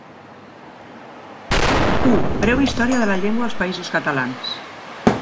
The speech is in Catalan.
I Breu història de la llengua als Països Catalans?